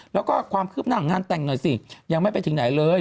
แล้วก็ความคืบหน้าของงานแต่งหน่อยสิยังไม่ไปถึงไหนเลย